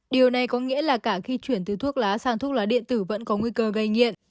điều này có nghĩa là cả khi chuyển từ thuốc lá sang thuốc lá điện tử vẫn có nguy cơ gây nghiện